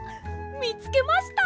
みつけました。